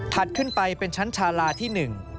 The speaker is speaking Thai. ถัดขึ้นไปเป็นชั้นชาลาที่หนึ่ง